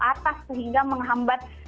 atas sehingga menghambat